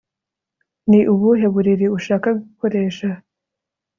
ni ubuhe buriri ushaka gukoresha